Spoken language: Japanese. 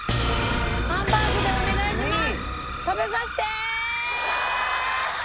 ハンバーグでお願いします！